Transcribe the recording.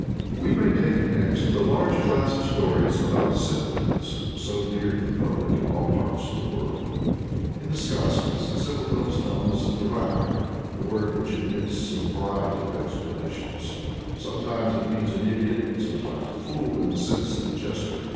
We may take next the large class of stories about simpletons, so dear to the public in all parts of the world. In the Skazkas a simpleton is known as a duràk, a word which admits of a variety of explanations. Sometimes it means an idiot, sometimes a fool in the sense of a jester.